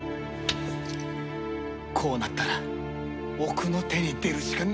こうなったら奥の手に出るしかないわね！